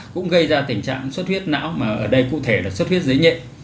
cũng gây ra tình trạng xuất huyết não mà ở đây cụ thể là xuất huyết dưới nhẹ